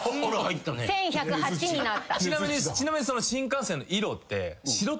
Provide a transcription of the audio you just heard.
１，１０８になった。